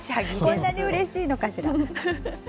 こんなにうれしいのかしら。